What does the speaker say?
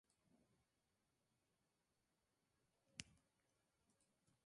En la medicina Ayurveda se usan para aumentar el apetito.